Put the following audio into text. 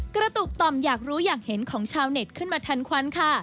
กระตุกต่อมอยากรู้อยากเห็นของชาวเน็ตขึ้นมาทันควันค่ะ